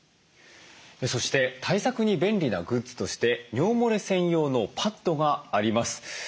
そして対策に便利なグッズとして尿もれ専用のパッドがあります。